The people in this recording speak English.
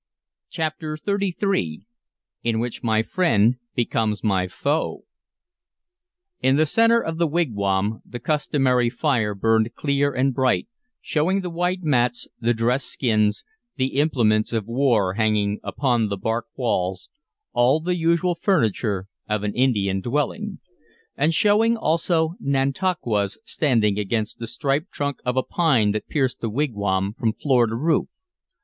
CHAPTER XXXIII IN WHICH MY FRIEND BECOMES MY FOE IN the centre of the wigwam the customary fire burned clear and bright, showing the white mats, the dressed skins, the implements of war hanging upon the bark walls, all the usual furniture of an Indian dwelling, and showing also Nantauquas standing against the stripped trunk of a pine that pierced the wigwam from floor to roof.